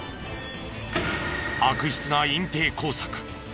悪質な隠蔽工作。